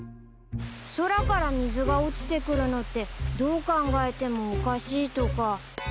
空から水が落ちてくるのってどう考えてもおかしいとか。